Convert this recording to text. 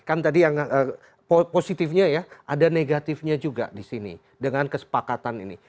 kan tadi yang positifnya ya ada negatifnya juga di sini dengan kesepakatan ini